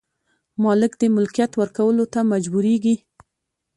مالک د ملکیت ورکولو ته مجبوریږي.